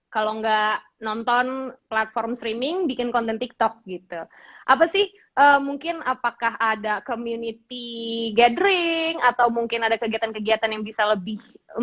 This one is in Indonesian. kalau nggak nonton platform streaming bikin konten tiktok gitu apa sih mungkin apakah ada community gathering atau mungkin ada kegiatan kegiatan yang bisa lebih